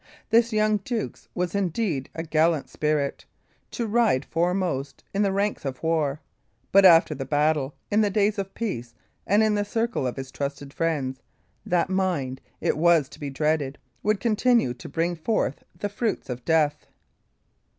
This young duke's was indeed a gallant spirit, to ride foremost in the ranks of war; but after the battle, in the days of peace and in the circle of his trusted friends, that mind, it was to be dreaded, would continue to bring forth the fruits of death.